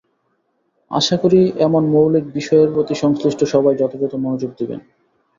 আশা করি, এমন মৌলিক বিষয়ের প্রতি সংশ্লিষ্ট সবাই যথাযথ মনোযোগ দেবেন।